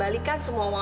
semasa kamu kembalikan